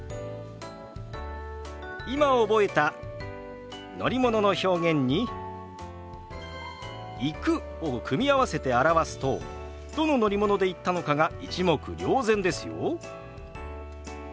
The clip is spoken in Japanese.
今覚えた乗り物の表現に「行く」を組み合わせて表すとどの乗り物で行ったのかが一目瞭然ですよ。